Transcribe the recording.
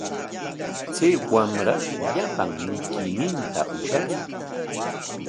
Chay wamra llapan mikuyninta ushatsun.